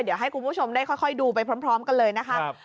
เดี๋ยวให้คุณผู้ชมได้ค่อยดูไปพร้อมกันเลยนะครับ